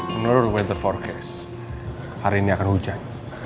menurut water forecast hari ini akan hujan